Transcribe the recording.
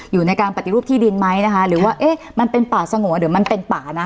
อยู่ในการปฏิรูปที่ดินไหมนะคะหรือว่าเอ๊ะมันเป็นป่าสงวนหรือมันเป็นป่านะ